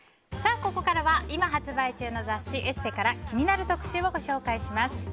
ここからは今発売中の雑誌「ＥＳＳＥ」から気になる特集をご紹介します。